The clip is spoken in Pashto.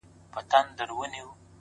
سترې موخې ستر صبر غواړي.!